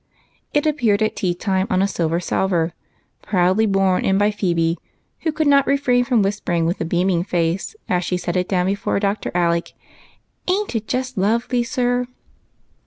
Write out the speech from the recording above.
It appeared at tea time, on a silver salver, proudly borne in by Phebe, who could not refrain from whisj^ering, with a beaming face, as she set it down before Dr. Alec, —" Ain't it just lovely, sir?